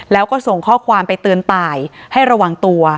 แล้วก็ส่งข้อความไปเตือนตายให้ระวังตัว